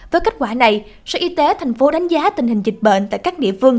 với kết quả này sở y tế thành phố đánh giá tình hình dịch bệnh tại các địa phương